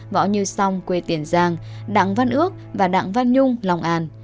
võ như song quê tiền giang đặng văn ước và đặng văn nhung lòng an